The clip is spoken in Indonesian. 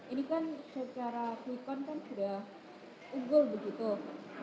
ini kan secara klikon kan sudah unggul begitu